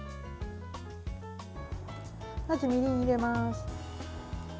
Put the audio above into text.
まずみりんを入れます。